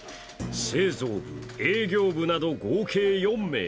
製造部、営業部など合計４名。